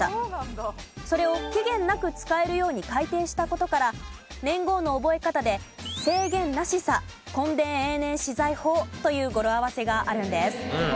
それを期限なく使えるように改定した事から年号の覚え方で「制限７４３墾田永年私財法」という語呂合わせがあるんです。